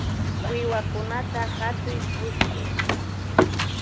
Wiwakunata hatuy pushtu